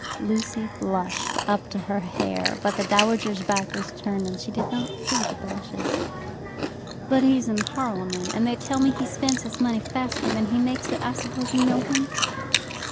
Lucy blushed up to her hair, but the dowager's back was turned, and she did not see the blushes. "But he's in Parliament, and they tell me he spends his money faster than he makes it. I suppose you know him?"